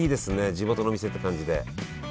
地元の店って感じで。